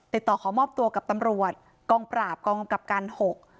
ติดต่อขอมอบตัวกับตำรวจกองปราบกองกำกับการหก